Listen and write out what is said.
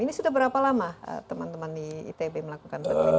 ini sudah berapa lama teman teman di itb melakukan penelitian